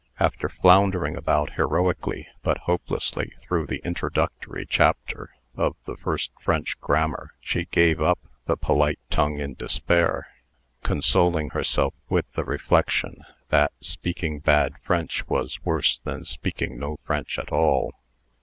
After floundering about heroically but hopelessly through the introductory chapter of the first French grammar, she gave up the polite tongue in despair, consoling herself with the reflection, that speaking bad French was worse than speaking no French at all.